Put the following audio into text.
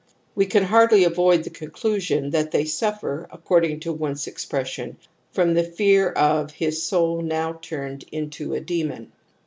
We can hardly avoid the, conclusion that they suffer, ac cording to Wimdt's expression, from the fear of "his soul now turned into a demoit"*".